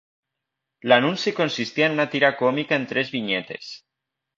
L'anunci consistia en una tira còmica en tres vinyetes.